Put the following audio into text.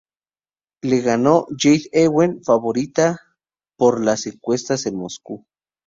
Lo ganó Jade Ewen favorita por las encuestas en Moscú.